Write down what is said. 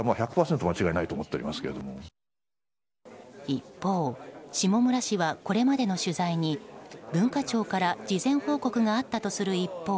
一方、下村氏はこれまでの取材に文化庁から事前報告があったとする一方